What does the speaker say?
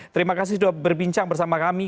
terima kasih sudah berbincang bersama kami